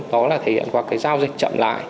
đó là thể hiện qua cái giao dịch chậm lại